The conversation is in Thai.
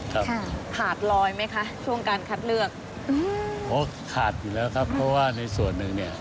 การคัดเลือกโอ้โหขาดอยู่แล้วครับเพราะว่าในส่วนหนึ่งเนี่ย